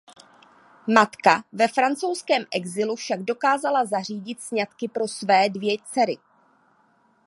Matka ve francouzském exilu však dokázala zařídit sňatky pro své dvě dcery.